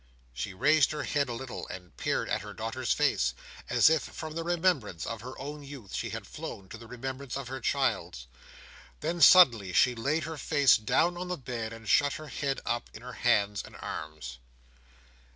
She raised her head a little, and peered at her daughter's face; as if from the remembrance of her own youth, she had flown to the remembrance of her child's. Then, suddenly, she laid her face down on the bed, and shut her head up in her hands and arms.